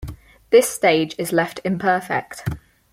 This stage is left imperfect.